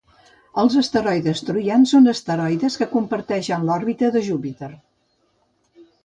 Els asteroides troians són asteroides que comparteixen l'òrbita de Júpiter